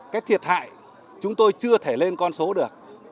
cái thiệt hại chúng tôi chưa thể lên con số được